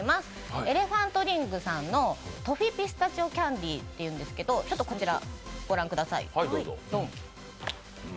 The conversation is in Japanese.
ＥＬＥＰＨＡＮＴＲＩＮＧさんのトフィピスタチオキャンディというんですけど、こちらご覧ください